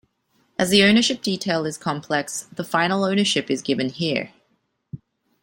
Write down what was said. As the ownership detail is complex, the final ownership is given here.